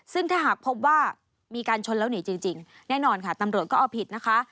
ซึ่งถ้าหากพบว่ามีการชนแล้วหนีจริงแน่นอนค่ะตำรวจก็เอาผิดนะคะ